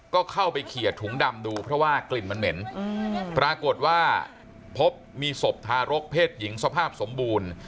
ก็เข้าไปเขียดถุงดำดูเพราะว่ากลิ่นมันเหม็นปรากฏว่าพบมีศพทารกเพศหญิงสภาพสมบูรณ์